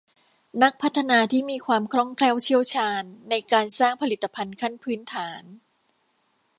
นักพัฒนาที่มีความคล่องแคล่วเชี่ยวชาญในการสร้างผลิตภัณฑ์ขั้นพื้นฐาน